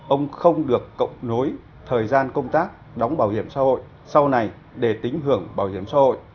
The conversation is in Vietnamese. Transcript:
ông không được cộng nối thời gian công tác đóng bảo hiểm xã hội sau này để tính hưởng bảo hiểm xã hội